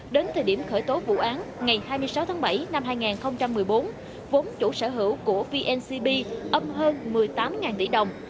đến thời điểm khởi tố vụ án ngày hai mươi sáu tháng bảy năm hai nghìn một mươi bốn vốn chủ sở hữu của vncb âm hơn một mươi tám tỷ đồng